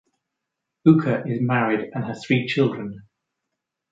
Bucca is married and has three children.